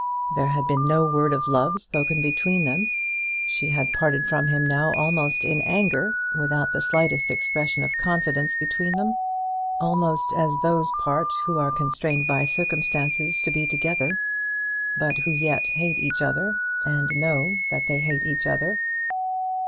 There had been no word of love spoken between them. She had parted from him now almost in anger, without the slightest expression of confidence between them, almost as those part who are constrained by circumstances to be together, but who yet hate each other and know that they hate each other.